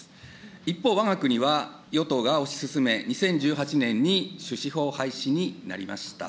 一方、わが国は与党が推し進め、２０１８年に種子法廃止になりました。